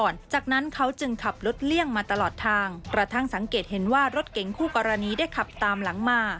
รัฐทางสังเกตเห็นว่ารถเก๋งคู่กรณีได้ขับตามหลังมา